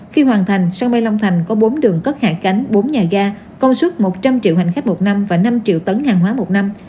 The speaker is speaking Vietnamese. khi hoàn thành sân bay long thành có bốn đường cất hạ cánh bốn nhà ga công suất một trăm linh triệu hành khách một năm và năm triệu tấn hàng hóa một năm